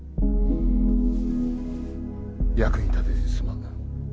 役に立てずすまん。